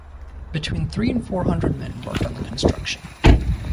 Between three and four hundred men worked on the construction.